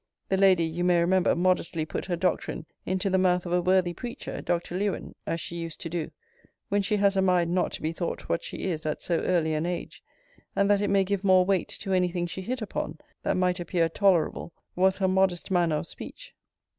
The lady, you may remember, modestly put her doctrine into the mouth of a worthy preacher, Dr. Lewen, as she used to do, when she has a mind not to be thought what she is at so early an age; and that it may give more weight to any thing she hit upon, that might appear tolerable, was her modest manner of speech.